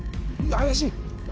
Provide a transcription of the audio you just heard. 怪しい！